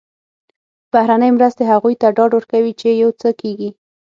بهرنۍ مرستې هغوی ته ډاډ ورکوي چې یو څه کېږي.